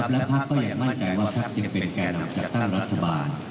และภาพก็อย่างมั่นใจว่าภาพยังเป็นแก่หนังจากต้านรัฐบาล